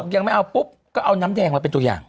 ยังไม่เอาปุ๊บก็เอาน้ำแดงมาเป็นตัวอย่าง